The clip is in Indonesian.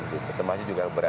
terutama juga berada di depan